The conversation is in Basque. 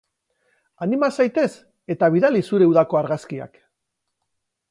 Anima zaitez eta bidali zure udako argazkiak.